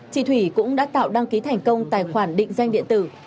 chị thủy cũng đã tạo đăng ký thành công tài khoản định danh điện tử